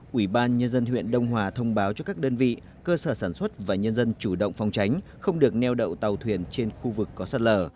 quỹ ban nhân dân huyện đông hòa thông báo cho các đơn vị cơ sở sản xuất và nhân dân chủ động phòng tránh không được neo đậu tàu thuyền trên khu vực có sạt lở